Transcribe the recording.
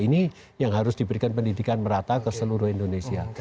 ini yang harus diberikan pendidikan merata ke seluruh indonesia